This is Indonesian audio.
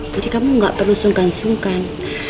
jadi kamu gak perlu sungkan sungkan